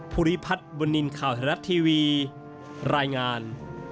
พุริพัฒน์บรินินข่าวเทศนัดทีวีรายงาน